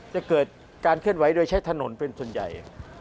จะเกิดการเคลื่อนไหวโดยใช้ถนนเป็นส่วนใหญ่